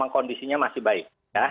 kondisinya masih baik